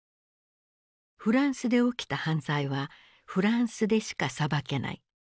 フランスで起きた犯罪はフランスでしか裁けない。